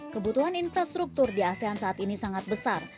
kebutuhan infrastruktur di asean saat ini sangat besar